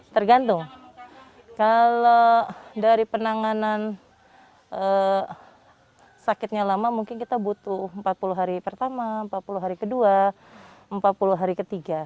tergantung kalau dari penanganan sakitnya lama mungkin kita butuh empat puluh hari pertama empat puluh hari kedua empat puluh hari ketiga